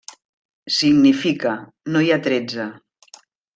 Significa: no hi ha tretze.